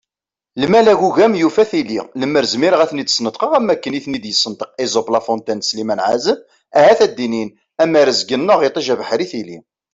Lmal agugam yufa tili, lemmer zmireɣ ad ten-id-sneṭqeɣ am akken i ten-id-yessenṭeq Esope, La Fontaine d Slimane Ɛazem ahat ad d-inin : am rrezg-nneɣ iṭij, abeḥri, tili!